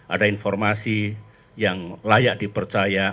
ada informasi yang layak dipercaya